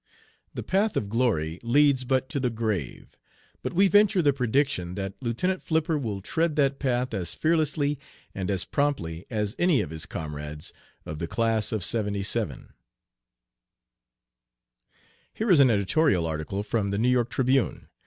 "'The path of glory leads but to the grave,' but we venture the prediction that Lieutenant Flipper will tread that path as fearlessly and as promptly as any of his comrades of the 'Class of '77.'" Here is an editorial article from the New York Tribune.